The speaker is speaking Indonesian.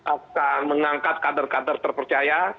akan mengangkat kader kader terpercaya